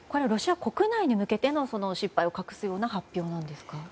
ロシア国内に向けての失敗を隠すような発表なんですか？